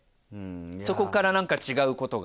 そこから何か違うことが。